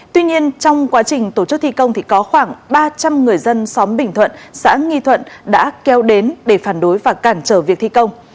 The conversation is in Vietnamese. tuy nhiên trong quá trình tổ chức thi công thì có khoảng ba trăm linh người dân xóm bình thuận xã nghi thuận đã keo đến để phản đối và cản trở việc thi công